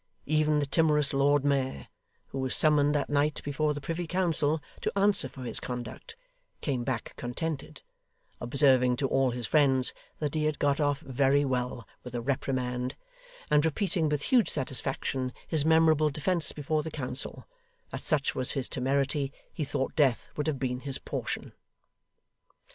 Even the timorous Lord Mayor, who was summoned that night before the Privy Council to answer for his conduct, came back contented; observing to all his friends that he had got off very well with a reprimand, and repeating with huge satisfaction his memorable defence before the Council, 'that such was his temerity, he thought death would have been his portion.